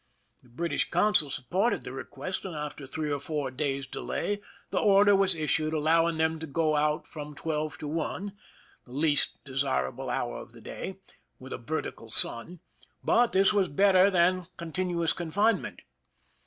The British consul supported the request, and after three or four days' delay the order was issued allowing them to go out from twelve to one, the least desirable hour of the day, with a vertical sun ; but this was better than con tinuous confinement.